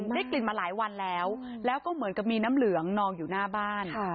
ได้กลิ่นมาหลายวันแล้วแล้วก็เหมือนกับมีน้ำเหลืองนองอยู่หน้าบ้าน